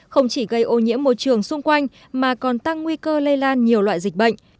không chỉ gây ô nhiễm môi trường xung quanh mà còn tăng nguy cơ lây lan nhiều loại dịch bệnh